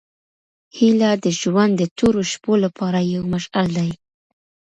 هیله د ژوند د تورو شپو لپاره یو مشعل دی.